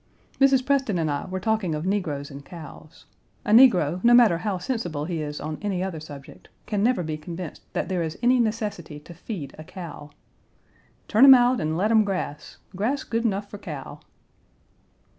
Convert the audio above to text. Mrs. Preston and I were talking of negroes and cows. A negro, no matter how sensible he is on any other subject, can never be convinced that there is any necessity to feed a cow. "Turn 'em out, and let 'em grass. Grass good nuff for cow."